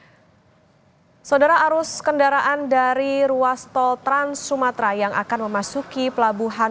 hai saudara arus kendaraan dari ruas tol trans sumatera yang akan memasuki pelabuhan